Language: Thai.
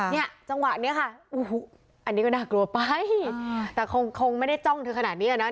เนี่ยจังหวะนี้ค่ะโอ้โหอันนี้ก็น่ากลัวไปแต่คงคงไม่ได้จ้องเธอขนาดนี้อ่ะนะ